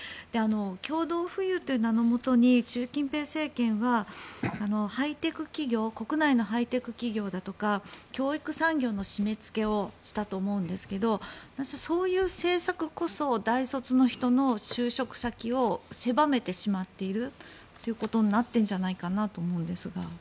共同富裕という名のもとに習近平政権は国内のハイテク企業だとか教育産業の締め付けをしたと思うんですけどそういう政策こそ大卒の人の就職先を狭めてしまっていることになっているんじゃないかと思うんですが。